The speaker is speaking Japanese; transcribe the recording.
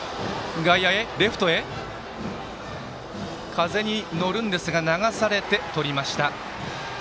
風に乗りましたが流されてとりました。